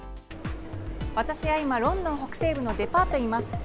私は今ロンドン北西部のデパートにいます。